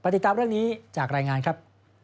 ติดตามเรื่องนี้จากรายงานครับ